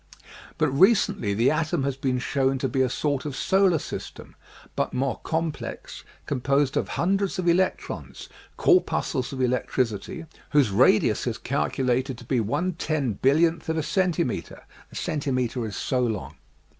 But recently the atom has been shown to be a sort of solar system, but more complex, composed of hundreds of electrons, corpuscles of electricity, whose radius is calculated to be i/io, ooo, ooo, ocx),ooo of a centimeter (a centimeter is so long).